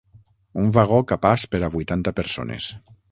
Un vagó capaç per a vuitanta persones.